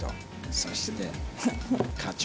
そして課長。